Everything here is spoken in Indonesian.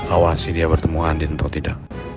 awasi dia bertemu andi untuk tidak